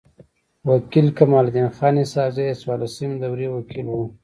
و کيل کمال الدین خان اسحق زی د څوارلسمي دوری وکيل وو.